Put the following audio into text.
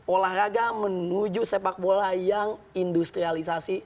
olahraga menuju sepak bola yang industrialisasi